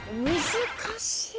難しい。